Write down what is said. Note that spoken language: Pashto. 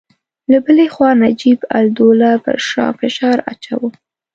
له بلې خوا نجیب الدوله پر شاه فشار اچاوه.